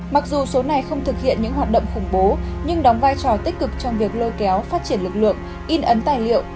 mặc dù số này không thực hiện những hoạt động khủng bố nhưng đóng vai trò tích cực trong việc lôi kéo phát triển lực lượng in ấn tài liệu